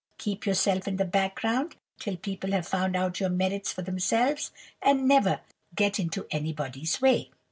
Keep yourself in the background, till people have found out your merits for themselves; and never get into anybody's way.